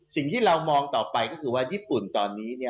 สิ่งที่เรามองต่อไปก็คือว่าญี่ปุ่นตอนนี้